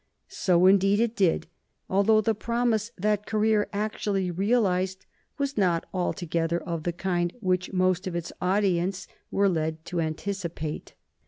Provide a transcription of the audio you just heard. So indeed it did, although the promise that career actually realized was not altogether of the kind which most of its audience were led to anticipate.